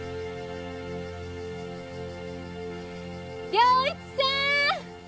良一さーん！